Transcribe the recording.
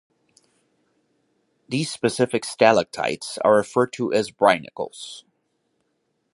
These specific stalactites are referred to as brinicles.